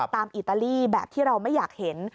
อิตาลีแบบที่เราไม่อยากเห็น